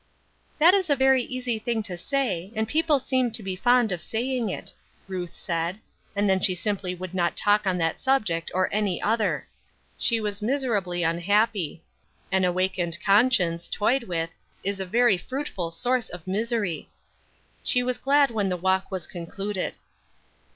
"That is a very easy thing to say, and people seem to be fond of saying it," Ruth said: and then she simply would not talk on that subject or any other; she was miserably unhappy; an awakened conscience, toyed with, is a very fruitful source of misery. She was glad when the walk was concluded.